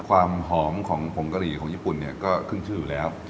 ความหอมของผงกะหรี่ของญี่ปุ่นเนี่ยก็ขึ้นชื่ออยู่แล้ว